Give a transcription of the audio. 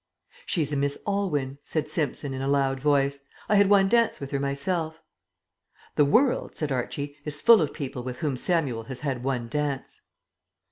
"She's a Miss Aylwyn," said Simpson in a loud voice. "I had one dance with her myself." "The world," said Archie, "is full of people with whom Samuel has had one dance."